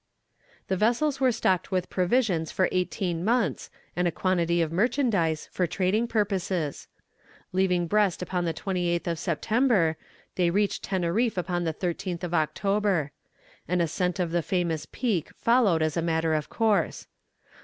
The vessels were stocked with provisions for eighteen months, and a quantity of merchandise, for trading purposes. Leaving Brest upon the 28th of September, they reached Teneriffe upon the 13th of October. An ascent of the famous Peak followed as a matter of course.